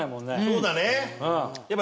そうだね。